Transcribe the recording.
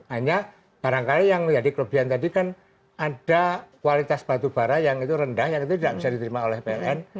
hanya barangkali yang menjadi kelebihan tadi kan ada kualitas batu bara yang itu rendah yang itu tidak bisa diterima oleh pln